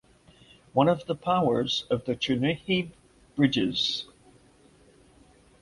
One of the powers of the Chernihiv bridges.